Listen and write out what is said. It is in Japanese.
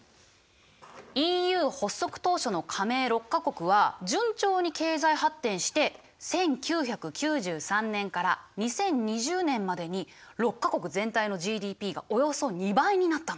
ＥＵ発足当初の加盟６か国は順調に経済発展して１９９３年から２０２０年までに６か国全体のＧＤＰがおよそ２倍になったの。